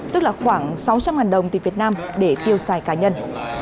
tức là khoảng sáu trăm linh đồng từ việt nam để tiêu xài cá nhân